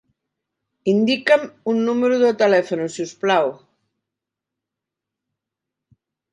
Indica'm un número de telèfon, si us plau.